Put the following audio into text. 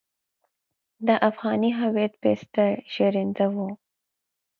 د افغاني هویت بستر زېږنده وو.